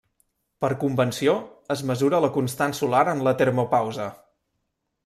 Per convenció, es mesura la constant solar en la termopausa.